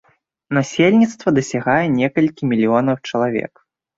Насельніцтва дасягае некалькі мільёнаў чалавек.